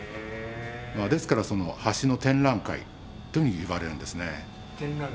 ですからというふうに言われるんですね。